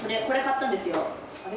これ買ったんですよ。